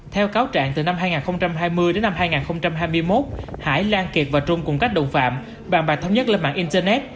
theo cáo trạng từ năm hai nghìn hai mươi đến năm hai nghìn hai mươi một hải lan kiệt và trung cùng các đồng phạm bàn bạc thống nhất lên mạng internet